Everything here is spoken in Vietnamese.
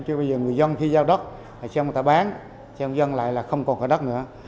chứ bây giờ người dân khi giao đất xem người ta bán xem dân lại là không còn ở đất nữa